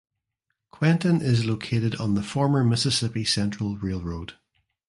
Quentin is located on the former Mississippi Central Railroad.